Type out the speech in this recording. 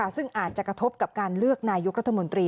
ซึ่งอาจจะกระทบกับการเลือกนายกรัฐมนตรี